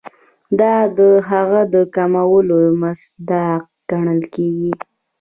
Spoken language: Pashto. دا د هغه د کمولو مصداق ګڼل کیږي.